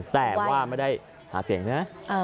แต่ว่าไม่ได้หาเสียงนะ